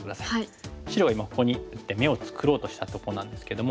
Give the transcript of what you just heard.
白は今ここに打って眼を作ろうとしたとこなんですけども。